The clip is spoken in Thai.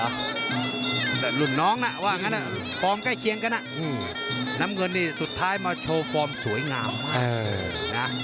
แต่รุ่นน้องน่ะว่างั้นฟอร์มใกล้เคียงกันน้ำเงินนี่สุดท้ายมาโชว์ฟอร์มสวยงามมาก